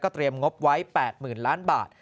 ก็เตรียมงบไว้๘๐๐๐๐๐๐๐บาท